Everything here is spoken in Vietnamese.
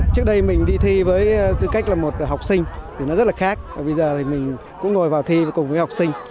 trước đây mình đi thi với tư cách là một học sinh nó rất là khác bây giờ mình cũng ngồi vào thi cùng với học sinh